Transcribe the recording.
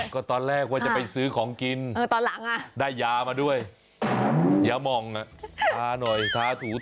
ก็ตอนแรกว่าจะไปซื้อของกินได้ยามาด้วยอย่ามองน่ะทาหน่อยทาถู